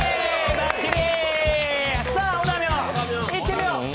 ばっちり。